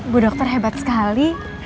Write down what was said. bu dokter hebat sekali